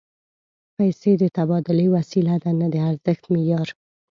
پیسې د تبادلې وسیله ده، نه د ارزښت معیار